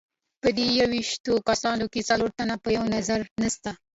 په دې یوویشتو کسانو کې څلور تنه په یوه نظر نسته.